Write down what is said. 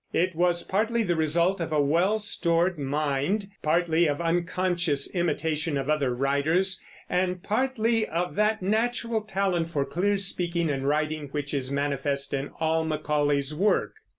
It was partly the result of a well stored mind, partly of unconscious imitation of other writers, and partly of that natural talent for clear speaking and writing which is manifest in all Macaulay's work.